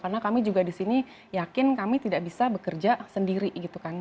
karena kami juga di sini yakin kami tidak bisa bekerja sendiri gitu kan